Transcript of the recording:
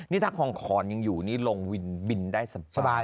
นี่ถ้าคลองคอนยังอยู่นี่ลงวินบินได้สบาย